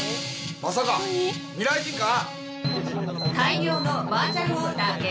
まさか未来人か？